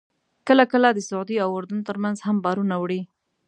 کله کله د سعودي او اردن ترمنځ هم بارونه وړي.